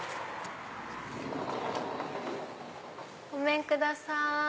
ごめんください。